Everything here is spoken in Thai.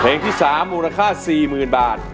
เพลงที่๓มูลค่า๔๐๐๐บาท